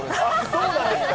そうなんですか？